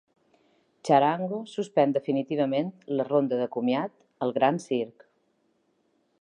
Txarango suspèn definitivament la ronda de comiat ‘El gran circ’